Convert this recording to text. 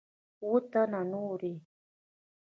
اووه تنه نور یې